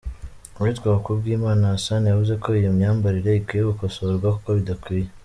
Uwitwa Kubwimana Hassan yavuze ko iyo myambarire ikwiye gukosorwa kuko idakwiye.